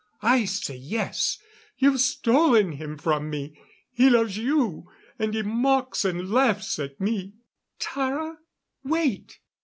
"I say yes. You've stolen him from me. He loves you and he mocks and laughs at me " "Tara, wait.